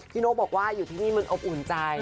นกบอกว่าอยู่ที่นี่มันอบอุ่นใจ